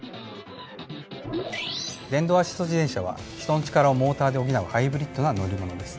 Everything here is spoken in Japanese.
電動アシスト自転車は人の力をモーターで補うハイブリッドな乗り物です。